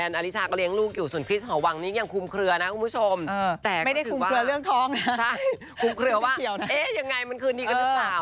คงเขียวว่าเอ๊ะยังไงมันคือนี้กันหรือเปล่า